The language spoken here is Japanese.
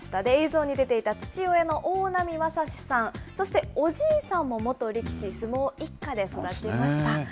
映像に出ていた父親の大波政志さん、そしておじいさんも元力士、相撲一家で育ちました。